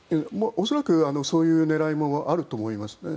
恐らくそういう狙いもあると思います。